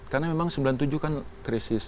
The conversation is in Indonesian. karena memang sembilan puluh tujuh kan krisis